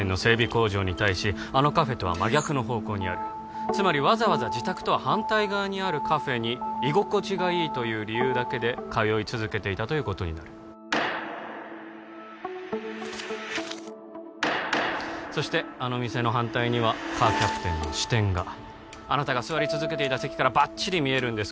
工場に対しあのカフェとは真逆の方向にあるつまりわざわざ自宅とは反対側にあるカフェに居心地がいいという理由だけで通い続けていたということになるそしてあの店の反対にはカーキャプテンの支店があなたが座り続けていた席からバッチリ見えるんです